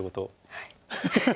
はい。